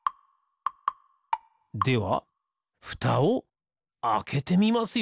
ではふたをあけてみますよ！